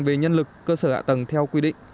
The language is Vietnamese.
về nhân lực cơ sở hạ tầng theo quy định